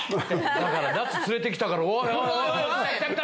だから夏連れてきたから。